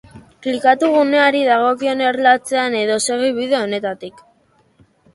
Klikatu guneari dagokion erlaitzean, edo segi bide honetatik.